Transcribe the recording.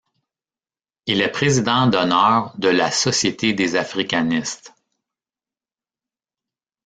Il est Président d'honneur de la Société des Africanistes.